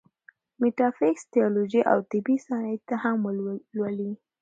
ميټافزکس ، تيالوجي او طبعي سائنس هم ولولي